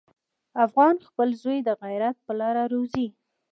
افغان خپل زوی د غیرت په لاره روزي.